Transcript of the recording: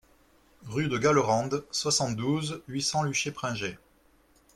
Rue de Gallerande, soixante-douze, huit cents Luché-Pringé